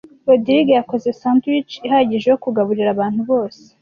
Rogride yakoze sandwiches ihagije yo kugaburira abantu bose.